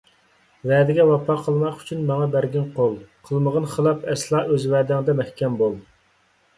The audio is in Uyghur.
ۋەدىگە ۋاپا قىلماق ئۈچۈن ماڭا بەرگىن قول، قىلمىغىن خىلاپ ئەسلا، ئۆز ۋەدەڭدە مەھكەم بول.